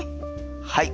はい。